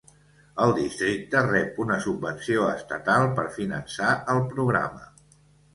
El districte rep una subvenció estatal per finançar el programa.